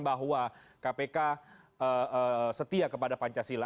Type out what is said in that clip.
bahwa kpk setia kepada pancasila